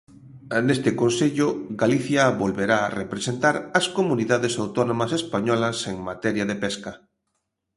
Neste consello, Galicia volverá representar ás comunidades autónomas españolas en materia de pesca.